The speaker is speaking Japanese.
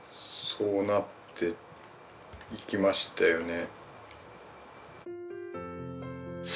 そうなっていきましたよね